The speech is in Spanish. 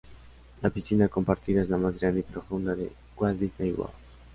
La piscina compartida es la más grande y profunda de Walt Disney World.